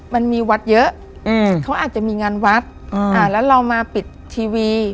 มันมีวัดเยอะเขาอาจจะมีงานวัดอ่าแล้วเรามาปิดทีวี